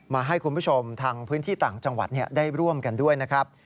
มาให้คุณผู้ชมทางพื้นที่ต่างจังหวัดได้ร่วมกันด้วยนะครับ